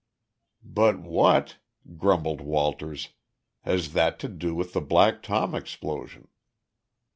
"But what," grumbled Walters, "has that to do with the Black Tom explosion?"